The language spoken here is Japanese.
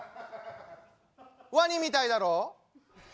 ワニみたいだろう。